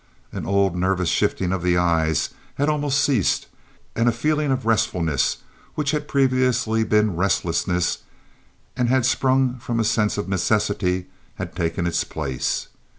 An old, nervous shifting of the eyes had almost ceased, and a feeling of restfulness, which had previously been restlessness, and had sprung from a sense of necessity, had taken its place.